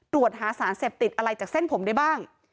ตรวจหาสารเสพติดอะไรจากเส้นผมได้บ้าง